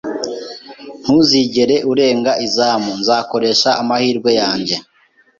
"Ntuzigera urenga izamu." "Nzakoresha amahirwe yanjye."